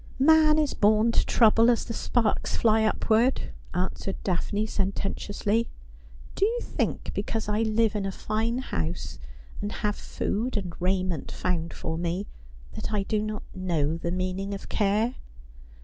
' Man is born to trouble, as the sparks fly upward,' answered Daphne sententiously. ' Do you think, because I live in a fine house, and have food and raiment found for me, that I do not know the meaning of care?'